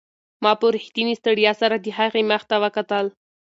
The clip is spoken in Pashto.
ما په رښتینې ستړیا سره د هغې مخ ته وکتل.